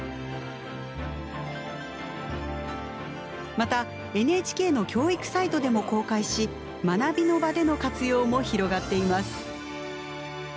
またＮＨＫの教育サイトでも公開し学びの場での活用も広がっています。